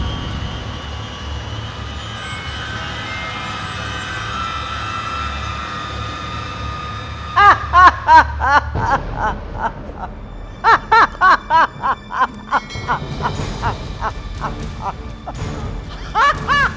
kamu harus menang